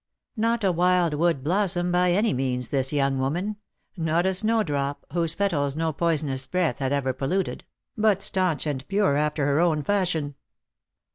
Not a wild wood blossom by any means, this young woman ; not a snowdrop, whose petals no poisonous breath had ever pol luted ; but stanch and pure after her own fashion.